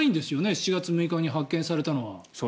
７月６日に発見されたのは。